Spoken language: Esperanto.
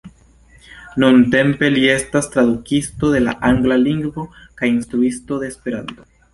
Nuntempe li estas tradukisto de la Angla Lingvo kaj Instruisto de Esperanto.